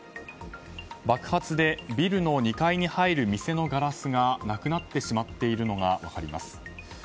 爆発で、ビルの２階に入る店のガラスがなくなってしまっているのが分かります。